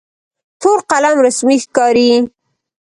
تور قلم رسمي ښکاري.